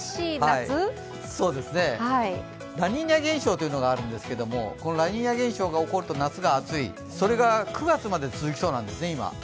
ラニーニャ現象というのがあるんですけれども、このラニーニャ現象が起こると夏が暑い、それが９月まで続きそうなんですね、今。